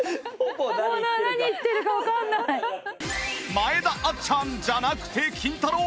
前田あっちゃんじゃなくてキンタロー。